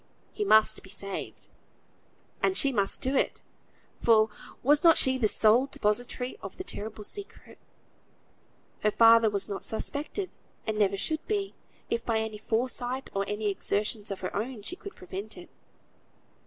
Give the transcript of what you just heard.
He must be saved. And she must do it; for was not she the sole depository of the terrible secret? Her father was not suspected; and never should be, if by any foresight or any exertions of her own she could prevent it.